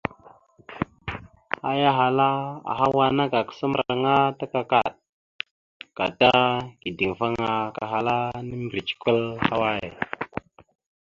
Aya ahala: « Ahawa ana kakǝsa mbarǝŋa ta kakaɗ, gata kideŋfaŋa kahala mimbirec kwal ahaway? ».